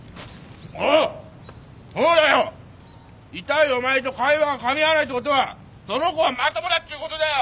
痛いお前と会話がかみ合わないってことはその子はまともだっちゅうことだよ！